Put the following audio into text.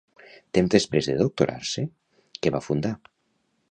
Temps després de doctorar-se, què va fundar?